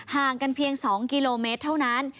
ห่างกันเพียง๒กิโลเมตรเท่านั้น